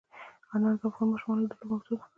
انار د افغان ماشومانو د لوبو موضوع ده.